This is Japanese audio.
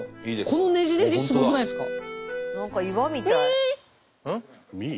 このねじねじすごくないですか？